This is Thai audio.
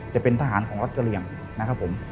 จะเป็นทหารของวัดกะเหลี่ยงนะครับผม